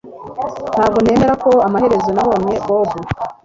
Ntabwo nemera ko amaherezo nabonye Bobo